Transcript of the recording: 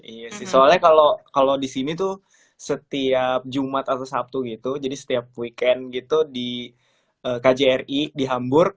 iya sih soalnya kalau di sini tuh setiap jumat atau sabtu gitu jadi setiap weekend gitu di kjri di hamburg